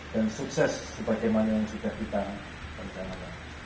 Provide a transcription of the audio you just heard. dan sukses sebagaimana yang sudah kita rencanakan